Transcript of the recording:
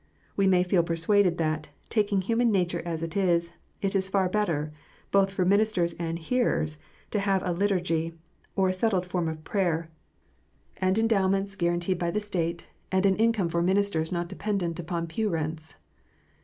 We may feel persuaded that, taking human nature as it is, it is far better, both for ministers and hearers, to have a Liturgy, or settled form of prayer, and endowments guaranteed THE CHURCH. 235 by the State, and an income for ministers not dependent on pew rents.